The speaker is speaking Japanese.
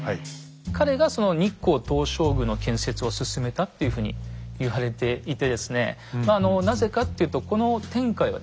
彼がその日光東照宮の建設を進めたっていうふうに言われていてですねなぜかっていうとこの天海はですね